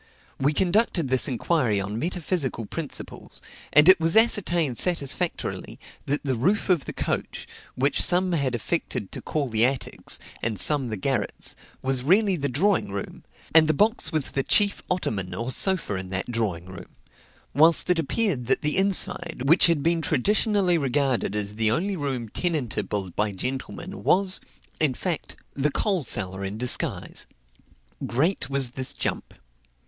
We conducted this inquiry on metaphysical principles; and it was ascertained satisfactorily, that the roof of the coach, which some had affected to call the attics, and some the garrets, was really the drawing room, and the box was the chief ottoman or sofa in that drawing room; whilst it appeared that the inside, which had been traditionally regarded as the only room tenantable by gentlemen, was, in fact, the coal cellar in disguise. Great wits jump.